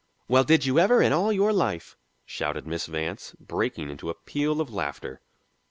"Well, did you ever in all your life?" shouted Miss Vance, breaking into a peal of laughter.